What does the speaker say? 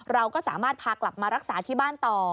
เราก็สามารถพากลับมารักษาที่บ้านต่อ